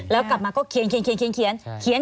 แล้วกลับมาก็เขียนเขียนเขียนเขียน